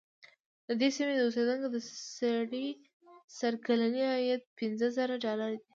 د دې سیمې د اوسېدونکو د سړي سر کلنی عاید پنځه زره ډالره دی.